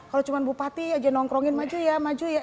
kalau cuma bupati aja nongkrongin maju ya maju ya